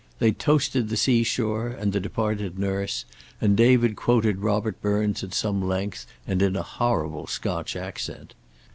They toasted the seashore, and the departed nurse, and David quoted Robert Burns at some length and in a horrible Scotch accent.